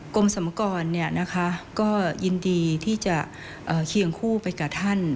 กรมสมกรก็ยินดีที่จะเคียงคู่ไปกับท่าน